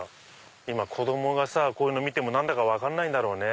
今子供がさこういうのを見ても何だか分かんないんだろうね。